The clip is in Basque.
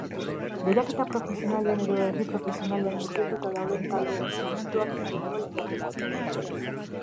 Lehiaketa profesionalean edo erdi-profesionalean murgilduta dauden taldeen entrenamenduak eta kirol-lehiaketak.